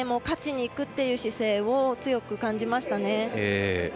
勝ちにいくという姿勢を強く感じましたね。